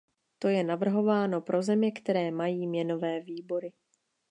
To je navrhováno pro země, které mají měnové výbory.